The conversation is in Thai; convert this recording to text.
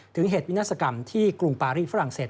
เหตุวินาศกรรมที่กรุงปารีฝรั่งเศส